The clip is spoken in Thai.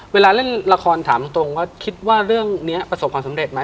เวลาเล่นละครถามตรงว่าคิดว่าเรื่องนี้ประสบความสำเร็จไหม